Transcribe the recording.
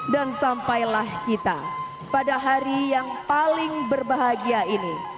dan sampailah kita pada hari yang paling berbahagia ini